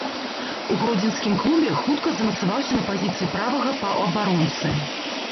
У гродзенскім клубе хутка замацаваўся на пазіцыі правага паўабаронцы.